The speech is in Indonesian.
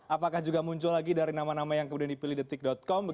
apakah juga muncul lagi dari nama nama yang kemudian dipilih detik com